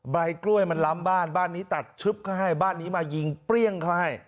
ใบกล้วยมันล้ำบ้านบ้านนี้ตัดชึบเขาให้บ้านนี้มายิงเปรี้ยงเขาให้